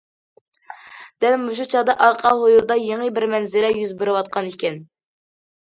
دەل مۇشۇ چاغدا ئارقا ھويلىدا يېڭى بىر مەنزىرە يۈز بېرىۋاتقان ئىكەن.